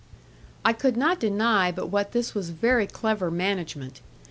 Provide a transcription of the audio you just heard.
I could not deny but what this was very clever management.